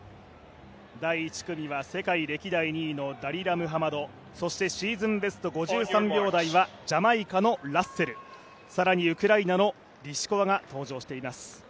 第１組は世界歴代２位のダリラ・ムハマド、そしてシーズンベスト５３秒台はジャマイカのラッセル、更にウクライナのリシコワが登場しています。